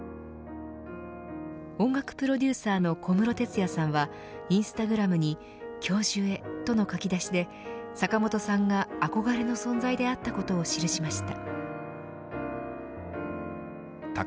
音楽プロデューサーの小室哲哉さんはインスタグラムに教授へ、との書き出しで坂本さんが憧れの存在であったことを記しました。